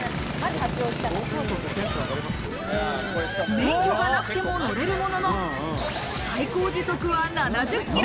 免許がなくても乗れるものの、最高時速は７０キロ。